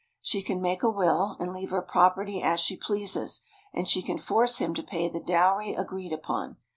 She can make a will and leave her property as she pleases, and she can force him to pay the dowry agreed upon.